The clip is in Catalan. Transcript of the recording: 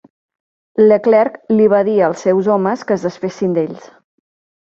Leclerc li va dir als seus homes que es desfessin d'ells.